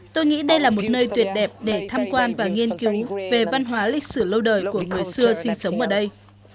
tôi nghĩ đây là một nơi tuyệt đẹp để tham quan và nghiên cứu về văn hóa lịch sử lâu đời của người xưa sinh sống ở đây